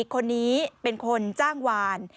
คนนี้เป็นคนจ้างวาน